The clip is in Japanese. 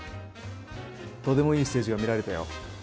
とてもいいステージが見られたよ。